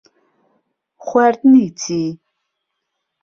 خواردنی چی؟